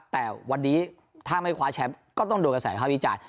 แต่วันนี้ถ้าไม่คว้าแชมป์ก็ต้องโดนกระแสภาพวิจารณ์